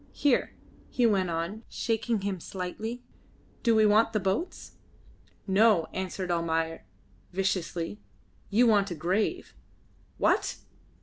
Here," he went on, shaking him slightly, "do we want the boats?" "No," answered Almayer, viciously. "You want a grave." "What?